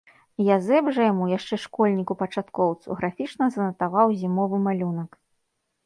Язэп жа яму, яшчэ школьніку-пачаткоўцу, графічна занатаваў зімовы малюнак.